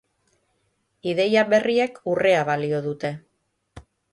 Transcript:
Ideia berriek urrea balio dute.